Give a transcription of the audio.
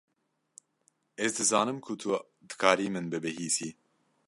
Ez dizanim ku tu dikarî min bibihîsî.